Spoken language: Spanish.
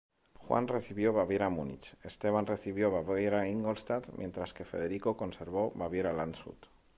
Juan recibió Baviera-Múnich, Esteban recibió Baviera-Ingolstadt, mientras que Federico conservó Baviera-Landshut.